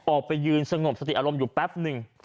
ออกไปยืนสงบสติอารมณ์อยู่แป๊บหนึ่ง